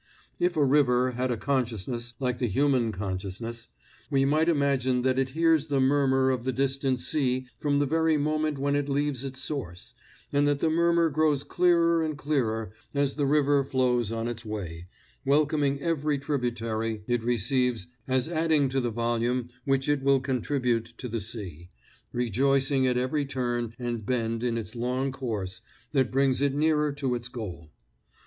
If a river had a consciousness like the human consciousness, we might imagine that it hears the murmur of the distant sea from the very moment when it leaves its source, and that the murmur grows clearer and clearer as the river flows on its way, welcoming every tributary it receives as adding to the volume which it will contribute to the sea, rejoicing at every turn and bend in its long course that brings it nearer to its goal.